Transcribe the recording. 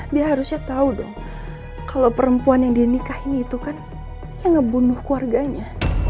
dia harusnya tau dong kalo perempuan yang dia nikahin itu kan yang ngebunuh keluarganya